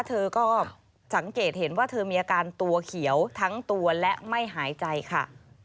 เธอก็สังเกตเห็นว่าเธอมีอาการตัวเขียวทั้งตัวและไม่หายใจค่ะ